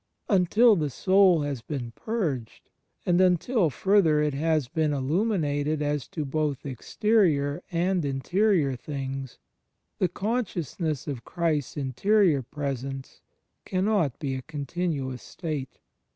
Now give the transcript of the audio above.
Until the soul has been purged, and until, further, it has been illiuninated as to both exterior and interior things, the consciousness of Christ's interior Presence cannot be a continuous state.